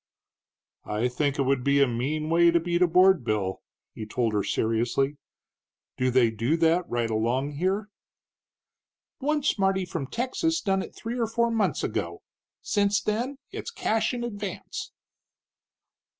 "I think it would be a mean way to beat a board bill," he told her, seriously. "Do they do that right along here?" "One smarty from Texas done it three or four months ago. Since then it's cash in advance."